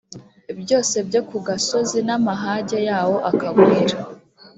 byose byo ku gasozi n amahage yawo akagwira